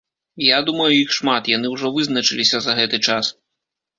Я думаю, іх шмат, яны ўжо вызначыліся за гэты час.